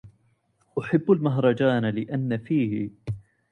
أحب المهرجان لأن فيه